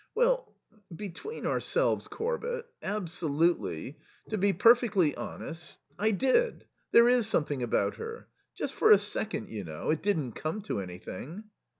"Well between ourselves, Corbett, absolutely to be perfectly honest, I did. There is something about her.... Just for a second, you know. It didn't come to anything."